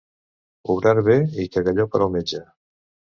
Obrar bé i cagalló per al metge.